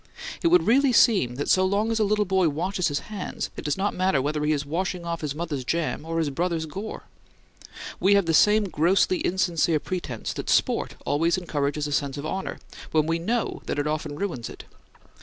It would really seem that so long as a little boy washes his hands it does not matter whether he is washing off his mother's jam or his brother's gore. We have the same grossly insincere pretense that sport always encourages a sense of honor, when we know that it often ruins it.